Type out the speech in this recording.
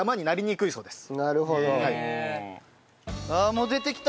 もう出てきた！